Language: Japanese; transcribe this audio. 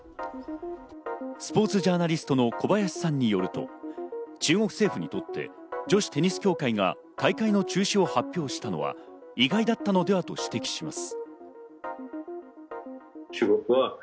スポーツジャーナリストの小林さんによると、中国政府にとって女子テニス協会が大会の中止を発表したのは意外だったのではと指摘します。